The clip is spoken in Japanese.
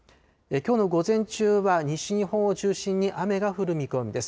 きょうの午前中は西日本を中心に雨が降る見込みです。